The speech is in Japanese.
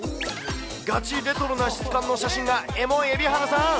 ガチレトロな質感の写真がエモい蛯原さん。